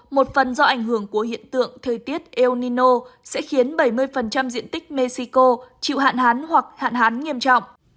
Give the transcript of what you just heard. một phần do ảnh hưởng của hiện tượng thời tiết el nino sẽ khiến bảy mươi diện tích mexico chịu hạn hán hoặc hạn hán nghiêm trọng